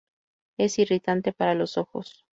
Es irritante para los ojos.